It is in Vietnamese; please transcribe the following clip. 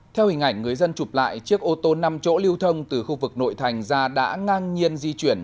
theo hình ảnh người dân chụp lại chiếc ô tô năm chỗ lưu thông từ khu vực nội thành ra đã ngang nhiên di chuyển